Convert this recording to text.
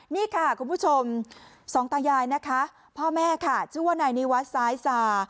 นี่ค่ะคุณผู้ชมสองตายายนะคะพ่อแม่ค่ะชื่อว่านายนิวัฒน์ซ้ายสา